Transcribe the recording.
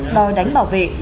đòi đánh bảo vệ